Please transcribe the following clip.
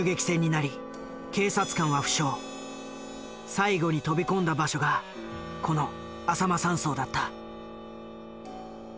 最後に飛び込んだ場所がこのあさま山荘だった。